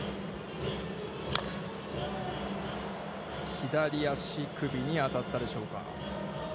左足首に当たったでしょうか。